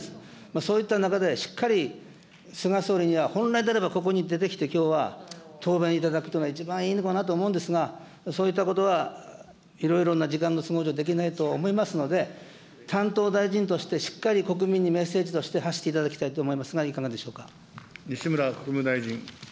そういった中でしっかり、菅総理には本来であればここに出てきて、きょうは答弁いただくというのが、いちばんいいのかなと思うんですが、そういったことはいろいろな時間の都合上、できないと思いますので、担当大臣としてしっかり国民にメッセージとして発していただきたいと思いますが、いかがでしょうか。